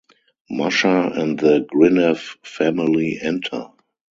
Masha and the Grinev family enter.